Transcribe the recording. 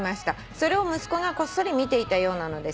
それを息子がこっそり見ていたようなのです」